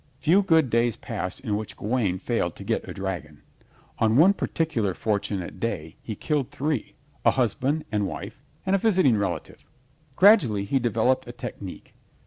Few good days passed in which Gawaine failed to get a dragon. On one particularly fortunate day he killed three, a husband and wife and a visiting relative. Gradually he developed a technique.